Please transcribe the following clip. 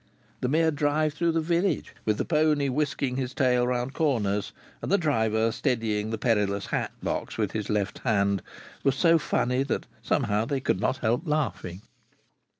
The mere drive through the village, with the pony whisking his tail round corners, and the driver steadying the perilous hat box with his left hand, was so funny that somehow they could not help laughing.